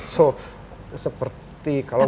so seperti kalau